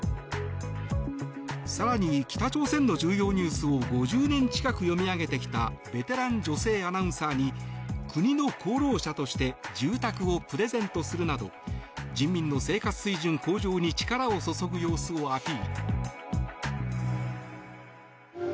更に、北朝鮮の重要ニュースを５０年近く読み上げてきたベテラン女性アナウンサーに国の功労者として住宅をプレゼントするなど人民の生活水準向上に力を注ぐ様子をアピール。